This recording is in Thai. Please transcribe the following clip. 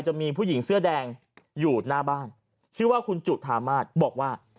จะมีผู้หญิงเสื้อแดงอยู่หน้าบ้านชื่อว่าคุณจุธามาศบอกว่า